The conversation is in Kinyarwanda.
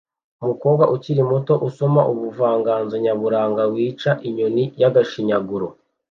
umukobwa ukiri muto usoma ubuvanganzo nyaburanga "kwica inyoni y'agashinyaguro"